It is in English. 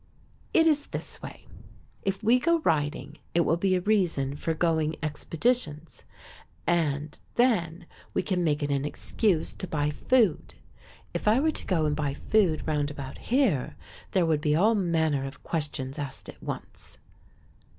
"It is this way. If we go riding it will be a reason for going expeditions, and then we can make it an excuse to buy food. If I were to go and buy food round about here, there would be all manner of questions asked at once."